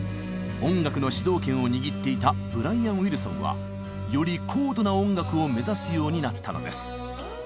音楽の主導権を握っていたブライアン・ウィルソンはより高度な音楽を目指すようになったのです。